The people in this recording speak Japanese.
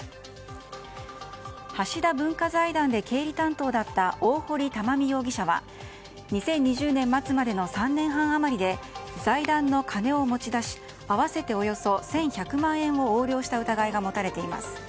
橋田文化財団で経理担当だった大堀たまみ容疑者は２０２０年末までの３年半余りで財団の金を持ち出し合わせておよそ１１００万円を横領した疑いが持たれています。